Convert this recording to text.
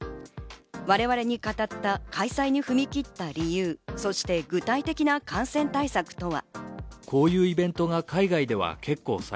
我々に語った開催に踏み切った理由、そして具体的な感染対策とは。